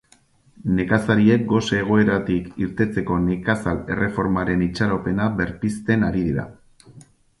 Nekazariek gose egoeratik irteteko nekazal erreformaren itxaropena berpizten ari dira.